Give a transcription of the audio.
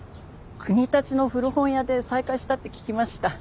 国立の古本屋で再会したって聞きました。